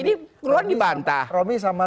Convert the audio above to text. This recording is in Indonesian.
jadi keluar dibantah romi sama